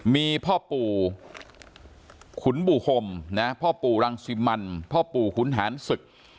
มีพ่อปู่ขุนบู่คมพ่อปู่รังสิมันพ่อปู่ขุนหารศึก